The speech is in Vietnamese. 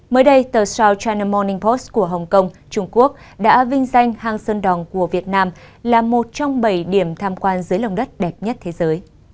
mới đây tờ south china morning post của hồng kông trung quốc đã vinh danh hang sơn đòn của việt nam là một trong bảy điểm tham quan dưới lồng đất đẹp nhất thế giới